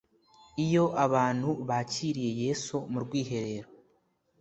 Iyo abantu bakiriye Yesu mu rwiherero,